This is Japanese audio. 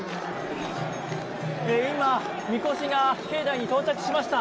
今、みこしが境内に到着しました。